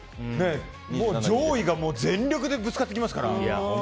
上位が全力でぶつかってきますから。